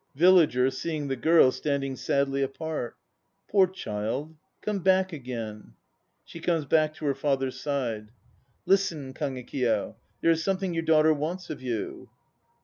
VILLAGER (seeing the GIRL standing sadly apart). Poor child, come back again. (She comes back to her father's side.) Listen, Kagekiyo, there is something your daughter wants of you.